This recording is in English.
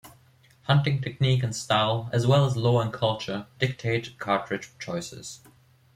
Hunting technique and style, as well as law and culture, dictate cartridge choices.